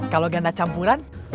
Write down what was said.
kalau ganda campuran